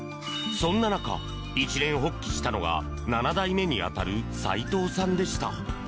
そんな中、一念発起したのが７代目に当たる齊藤さんでした。